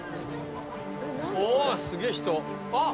おすげえ人！